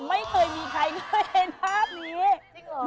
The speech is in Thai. ไม่เคยมีใครเคยเห็นภาพนี้